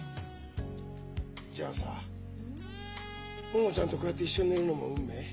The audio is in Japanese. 桃ちゃんとこうやって一緒に寝るのも運命？